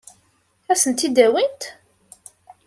Ad sen-tt-id-awint?